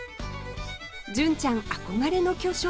純ちゃん憧れの巨匠